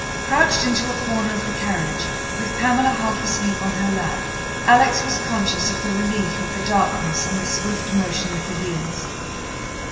Crouched into a corner of the carriage, with Pamela half asleep on her lap, Alex was conscious of the relief of the darkness and the swift motion of the wheels.